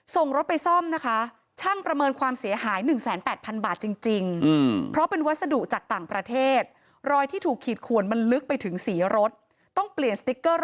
ส่งรถไปซ่อมนะคะช่างประเมินความเสียหายหนึ่งแสนแปดพันบาทจริงจริง